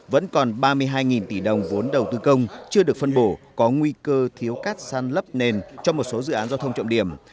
vẫn còn ba mươi hai tỷ đồng vốn đầu tư công chưa được phân bổ có nguy cơ thiếu cát sàn lấp nền trong một số dự án giao thông trộm điểm